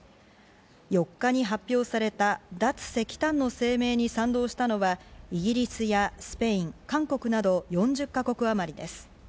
４日に発表された脱石炭の声明に賛同したのはイギリスやスペイン、韓国など４０か国あまりです。